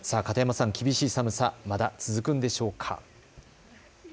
片山さん、厳しい寒さはまだ続くんでしょうか。